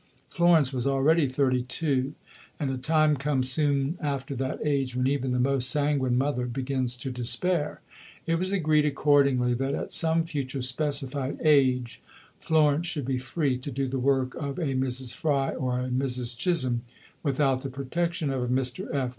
Florence was already thirty two; and a time comes soon after that age when even the most sanguine mother begins to despair. It was agreed, accordingly, that "at some future specified age" Florence should be free to do the work of a Mrs. Fry or a Mrs. Chisholm without the protection of a Mr. F.